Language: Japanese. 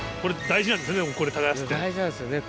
大事なんですよね